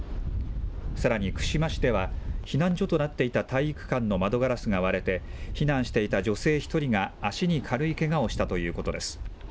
さらに串間市では、避難所となっていた体育館の窓ガラスが割れて、避難していた女性１人が足に軽いけがをしたということです。